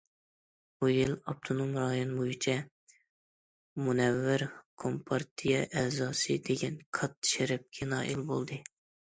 بۇ يىل ئاپتونوم رايون بويىچە‹‹ مۇنەۋۋەر كومپارتىيە ئەزاسى›› دېگەن كاتتا شەرەپكە نائىل بولدى.